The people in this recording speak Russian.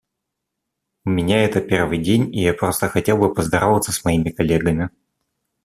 У меня это первый день, и я просто хотел бы поздороваться с моими коллегами.